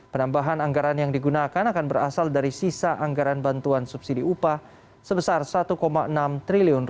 penambahan anggaran yang digunakan akan berasal dari sisa anggaran bantuan subsidi upah sebesar rp satu enam triliun